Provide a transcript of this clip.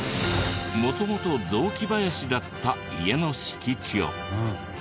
元々雑木林だった家の敷地を。